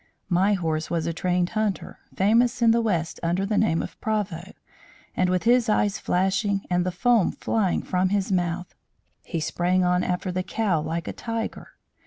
"My horse was a trained hunter, famous in the west under the name of Proveau, and with his eyes flashing and the foam flying from his mouth, he sprang on after the cow like a tiger.